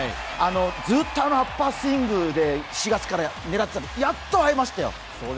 ずーっとアッパースイングで４月から狙っていましたが、やっと合いましたよ。